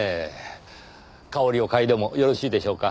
香りを嗅いでもよろしいでしょうか？